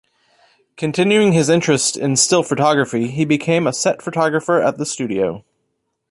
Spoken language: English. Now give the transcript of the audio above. Continuing his interest in still photography he became a set photographer at the studio.